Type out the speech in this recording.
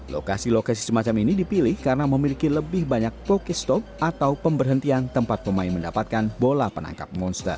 lokasi lokasi semacam ini dipilih karena memiliki lebih banyak pokestop atau pemberhentian tempat pemain mendapatkan bola penangkap monster